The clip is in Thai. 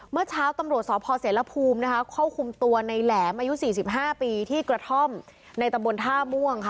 เมื่อเช้าตำรวจสพเสรภูมินะคะเข้าคุมตัวในแหลมอายุ๔๕ปีที่กระท่อมในตำบลท่าม่วงค่ะ